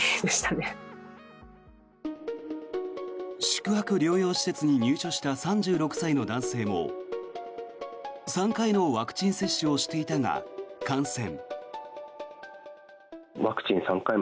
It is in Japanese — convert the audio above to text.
宿泊療養施設に入所した３６歳の男性も３回のワクチン接種をしていたが感染。